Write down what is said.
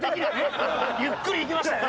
ゆっくり行きましたよね。